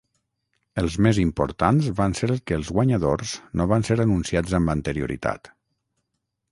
Els més importants van ser que els guanyadors no van ser anunciats amb anterioritat.